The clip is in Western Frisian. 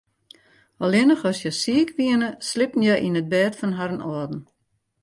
Allinnich as hja siik wiene, sliepten hja yn it bêd fan harren âlden.